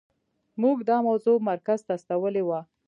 موږ دا موضوع مرکز ته استولې وه.